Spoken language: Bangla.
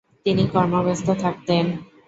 তিনি কর্মব্যস্ত থাকতেন ।